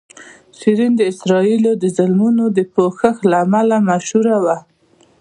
شیرین د اسرائیلو د ظلمونو د پوښښ له امله مشهوره وه.